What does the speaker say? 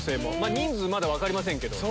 人数まだ分かりませんけど。